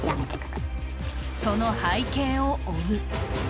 その背景を追う。